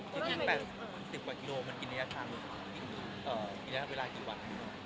คือแค่๘๐กว่ากิโลมันกินระยะเวลากี่วัน